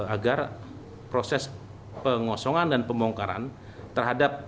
agar proses pengosongan dan pembongkaran terhadap